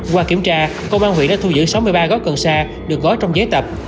qua kiểm tra công an huyện đã thu giữ sáu mươi ba gói cần sa được gói trong giấy tập